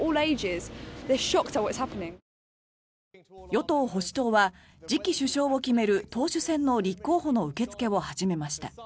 与党・保守党は次期首相を決める党首選の立候補の受け付けを始めました。